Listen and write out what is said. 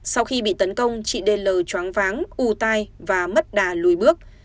sau khi bị tấn công chị d l chóng váng ù tai và mất đà lùi bước